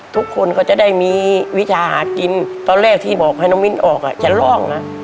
ทุกคนก็จะได้มีวิชาหากินตอนแรกที่บอกให้น้องมิ้นออกจะล่องนะ